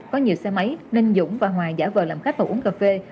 có nhiều xe máy nên dũng và hòa giả vờ làm khách vào uống cà phê